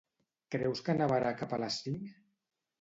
Creus que nevarà cap a les cinc?